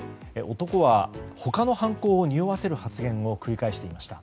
男は他の犯行をにおわせる発言を繰り返していました。